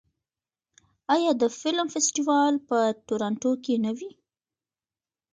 آیا د فلم فستیوال په تورنټو کې نه وي؟